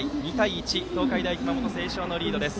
１東海大熊本星翔のリードです。